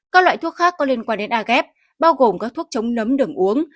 các loại thuốc khác có liên quan đến age bao gồm các thuốc chống nấm đường uống